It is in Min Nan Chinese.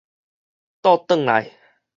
倒轉來